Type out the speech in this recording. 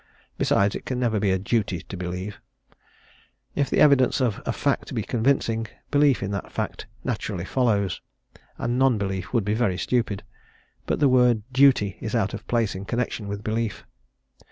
Besides, it can never be a "duty" to believe; if the evidence of a fact be convincing, belief in that fact naturally follows, and non belief would be very stupid; but the word "duty" is out of place in connection with belief.